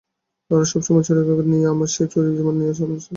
তার সবসময়ই ছুরির নিয়ন্ত্রণ লাগত, আর সেই ছুরি মানুষের জীবন নিয়েছিল।